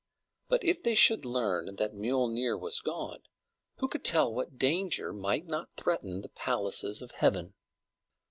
But if they should learn that Miölnir was gone, who could tell what danger might not threaten the palaces of heaven?